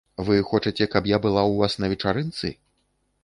Вы хочаце, каб я была ў вас на вечарынцы?